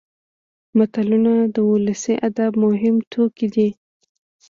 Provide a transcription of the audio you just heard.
متلونه د ولسي ادب مهم توکي دي